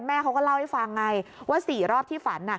แม่เขาก็เล่าให้ฟังไงว่า๔รอบที่ฝัน